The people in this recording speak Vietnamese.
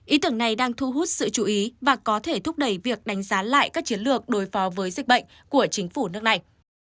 ý tưởng này đang thu hút sự chú ý và có thể thúc đẩy việc đánh giá lại các chiến lược đối phó với dịch bệnh của chính phủ nước này